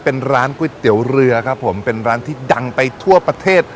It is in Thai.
เป็นร้านก๋วยเตี๋ยวเรือครับผมเป็นร้านที่ดังไปทั่วประเทศ